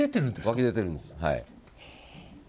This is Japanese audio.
湧き出てるんです。